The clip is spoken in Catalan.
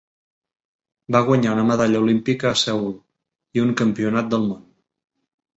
Va guanyar una medalla olímpica a Seül, i un Campionat del món.